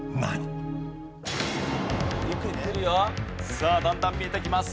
さあだんだん見えてきます。